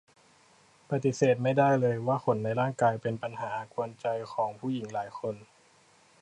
ปฎิเสธไม่ได้เลยว่าขนในร่างกายเป็นปัญหากวนใจของผู้หญิงหลายคน